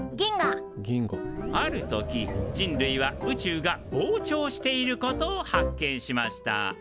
ある時人類は宇宙が膨張していることを発見しました。